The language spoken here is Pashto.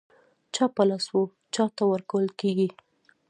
چا په لاس و چاته ورکول کېږي.